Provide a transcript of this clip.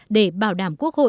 để bảo đảm quốc hội